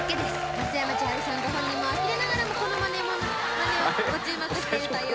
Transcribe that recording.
「松山千春さんご本人もあきれながらもこのものまねをご注目してるという」